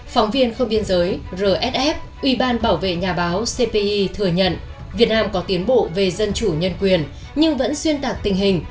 phóng viên không biên giới rsf ubnd cpi thừa nhận việt nam có tiến bộ về dân chủ nhân quyền nhưng vẫn xuyên tạc tình hình